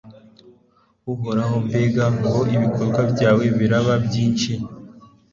Uhoraho mbega ngo ibikorwa byawe biraba byinshi